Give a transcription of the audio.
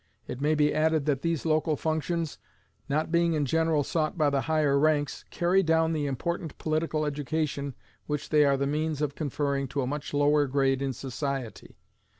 It may be added that these local functions, not being in general sought by the higher ranks, carry down the important political education which they are the means of conferring to a much lower grade in society.